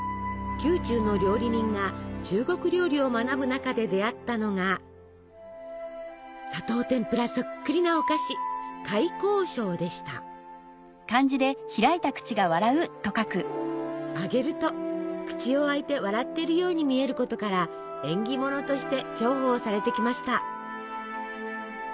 宮中の料理人が中国料理を学ぶ中で出会ったのが砂糖てんぷらそっくりなお菓子揚げると口を開いて笑ってるように見えることから縁起物として重宝されてきました。